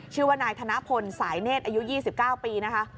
ชื่อว่านายธนพลสายเนธอายุ๒๙ปีนะคะ